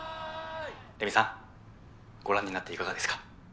麗美さんご覧になっていかがですか？